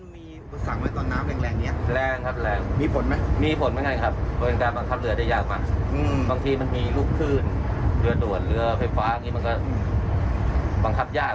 มีผสังในตอนน้ำแรงเนี่ยแรงครับแรง